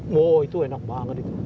mou itu enak banget itu